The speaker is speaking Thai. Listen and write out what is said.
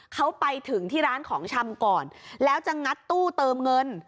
เขาไปถึงที่ร้านของชำก่อนแล้วจะงัดตู้เติมเงิน